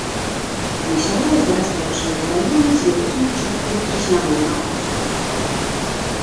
Насяляе зарастаючыя вадаёмы з вялікімі ўчасткамі трыснягу і рагозу.